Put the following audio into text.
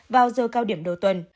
vào giờ cao điểm đầu tuần